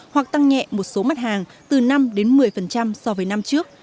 hoặc tăng nhẹ một số mặt hàng từ năm đến một mươi so với năm trước